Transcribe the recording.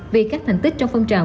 vì các thành tích trong phong trào